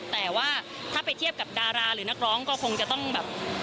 แต่ว่าถ้าไปเทียบกับดาราหรือนักร้องก็คงจะต้องแบบ